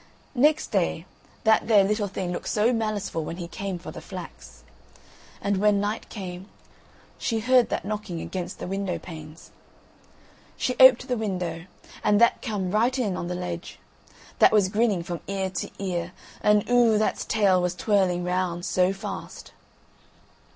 Next day that there little thing looked so maliceful when he came for the flax. And when night came, she heard that knocking against the window panes. She oped the window, and that come right in on the ledge. That was grinning from ear to ear, and Oo! that's tail was twirling round so fast.